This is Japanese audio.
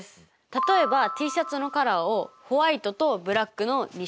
例えばＴシャツのカラーをホワイトとブラックの２種類。